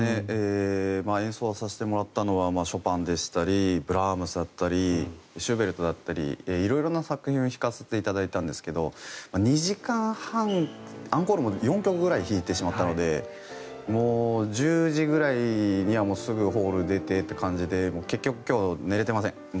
演奏はさせてもらったのはショパンでしたりブラームスだったりシューベルトだったり色々な作品を弾かせていただいたんですけど２時間半アンコールも入れて４曲くらい弾いてしまったので１０時ぐらいにはすぐホールを出てという感じで結局、今日寝れてません。